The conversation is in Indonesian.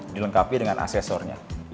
dilengkapi dengan asesornya